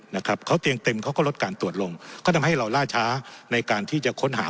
นะครับเขาเตียงเต็มเขาก็ลดการตรวจลงก็ทำให้เราล่าช้าในการที่จะค้นหา